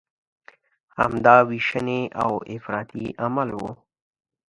همدا ویشنې او افراطي عمل و.